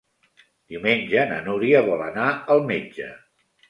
Diumenge na Núria vol anar al metge.